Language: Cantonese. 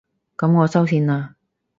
噉我收線喇